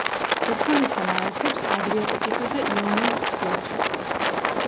ერთმანეთთან აერთებს ადრიატიკისა და იონიის ზღვებს.